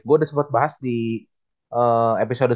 gua udah sempet bahas di episode